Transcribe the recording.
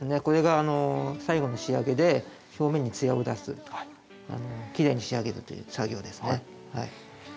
これが最後の仕上げで表面にツヤを出す、きれいに仕上げるという作業ですね。